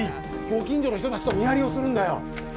ご近所の人たちと見張りをするんだよ。